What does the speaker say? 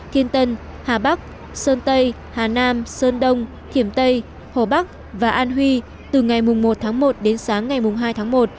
kiên tân hà bắc sơn tây hà nam sơn đông thiểm tây hồ bắc và an huy từ ngày một tháng một đến sáng ngày hai tháng một